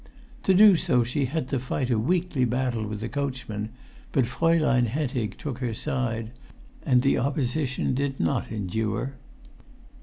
To do so she had to fight a weekly battle with the coachman, but Fraulein Hentig took her side, and the opposition did not endure.